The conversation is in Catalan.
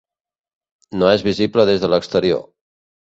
No és visible des de l'exterior.